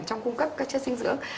trong cung cấp các chất dinh dưỡng